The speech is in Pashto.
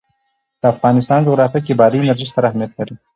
د افغانستان جغرافیه کې بادي انرژي ستر اهمیت لري.